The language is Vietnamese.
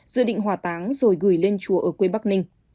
dự định hòa táng rồi gửi lên chùa ở quê bắc ninh